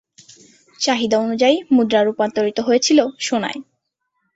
চাহিদা অনুযায়ী মুদ্রা রূপান্তরিত হয়েছিল সোনায়।